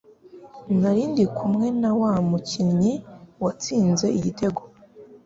Narindi kumwe na wa mukinnyi watsinze igitego